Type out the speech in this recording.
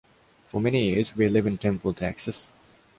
For many years, we lived in Temple, Texas.